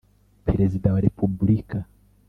perezida wa repubulika